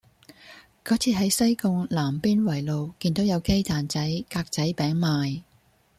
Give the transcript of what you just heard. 嗰次喺西貢南邊圍路見到有雞蛋仔格仔餅賣